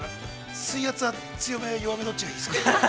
水圧は強め、弱め、どっちがいいですか。